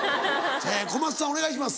小松さんお願いします。